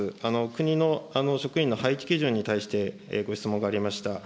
国の職員の配置基準に対して、ご質問がありました。